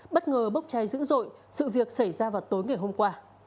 bất ngờ bốc cháy dữ dội sự việc xảy ra vào tối ngày hôm qua